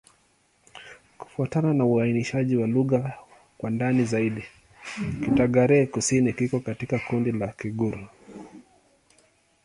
Kufuatana na uainishaji wa lugha kwa ndani zaidi, Kidagaare-Kusini iko katika kundi la Kigur.